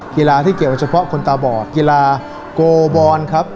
กีฬาที่เกี่ยวเฉพาะคนตาบอดกีฬาโกบอลครับ